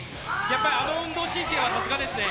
あの運動神経はさすがですね。